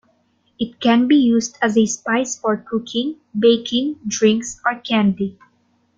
It can be used as a spice for cooking, baking, drinks, or candy.